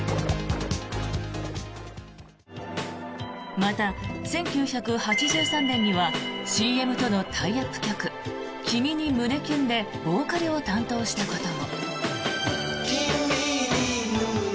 また、１９８３年にはＣＭとのタイアップ曲「君に、胸キュン。」でボーカルを担当したことも。